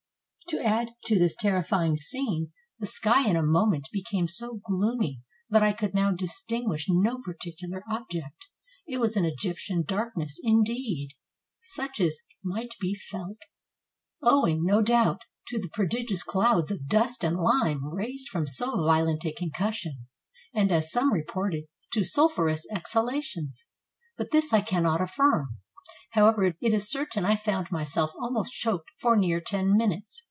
To add to this terrifying scene, the sky in a mo ment became so gloomy that I could now distinguish no particular object; it was an Egyptian darkness indeed, 619 PORTUGAL such as might be felt; owing, no doubt, to the prodi gious clouds of dust and lime raised from so violent a concussion, and, as some reported, to sulphureous ex halations, but this I cannot aflfirm; however, it is certain I found myself almost choked for near ten minutes.